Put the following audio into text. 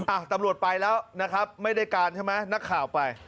อ่ะตำรวจไปแล้วนะครับไม่ได้การใช่ไหมนักข่าวไป